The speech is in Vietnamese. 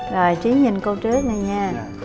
rồi trí nhìn cô trước nè nha